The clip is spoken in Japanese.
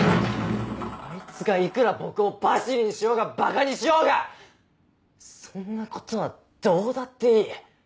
あいつがいくら僕をパシリにしようがばかにしようがそんなことはどうだっていい。